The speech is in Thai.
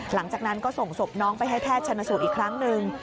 หลังจากนั้นก็ส่งศพน้องไปให้แพทย์ชนสูตรอีกครั้งหนึ่ง